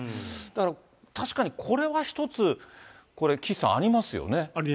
だから、確かにこれは一つ、これ、ありえますね。